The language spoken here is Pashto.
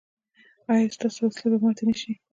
ایا ستاسو وسلې به ماتې نه شي؟